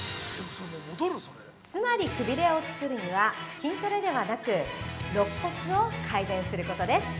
◆つまり、くびれを作るには筋トレではなくろっ骨を改善することです。